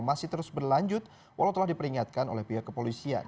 masih terus berlanjut walau telah diperingatkan oleh pihak kepolisian